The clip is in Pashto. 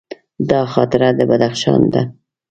دا خاطره د بدخشان ده.